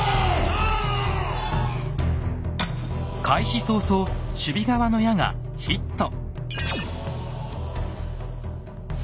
開始早々守備側の矢がヒット！